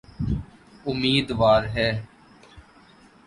امیدوار ہے۔